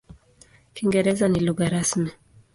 Kiingereza ni lugha rasmi.